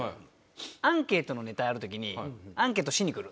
アンケートのネタやる時にアンケートしに来る。